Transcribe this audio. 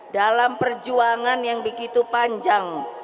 dalam perjuangan yang begitu panjang